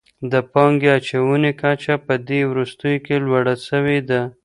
د پانګې اچونې کچه په دې وروستيو کي لوړه سوي ده.